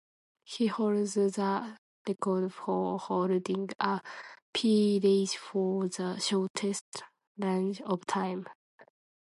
He holds the record for holding a peerage for the shortest length of time.